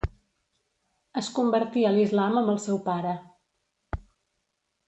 Es convertí a l'islam amb el seu pare.